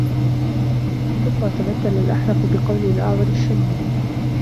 ثُمَّ تَمَثَّلَ الْأَحْنَفُ بِقَوْلِ الْأَعْوَرِ الشَّنِّيُّ